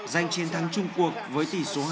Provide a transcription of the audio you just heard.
giành chiến thắng trung quốc với tỷ số hai